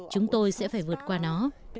chúng tôi sẽ phải vượt qua nó